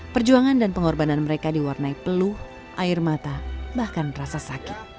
perjuangan dan pengorbanan mereka diwarnai peluh air mata bahkan rasa sakit